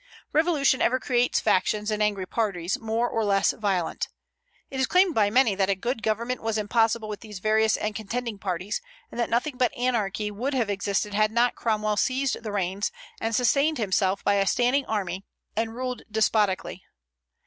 Revolution ever creates factions and angry parties, more or less violent. It is claimed by many that a good government was impossible with these various and contending parties, and that nothing but anarchy would have existed had not Cromwell seized the reins, and sustained himself by a standing army, and ruled despotically.